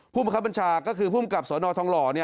ผู้บังคับบัญชาก็คือภูมิกับสนทองหล่อ